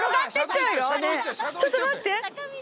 ちょっと待って。